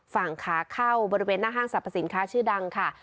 ฝั่งขาเข้าบริเวณหน้าห้างสรรพสินค้าชื่อดังค่ะ